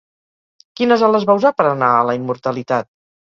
Quines ales va usar per anar a la immortalitat?